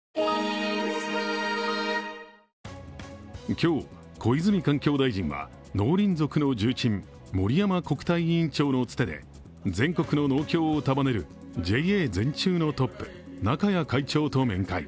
今日、小泉環境大臣は農林族の重鎮森山国対委員長のつてで全国の農協を束ねるＪＡ全中のトップ中家会長と面会。